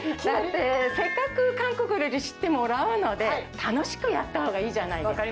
せっかく、韓国料理知ってもらうので、楽しくやったほうがいいじゃないですか。